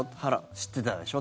知ってたでしょ？